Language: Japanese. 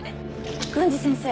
郡司先生